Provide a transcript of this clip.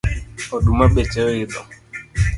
Oduma beche oidho